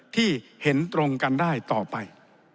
ที่เห็นตรงกันได้ต่อไป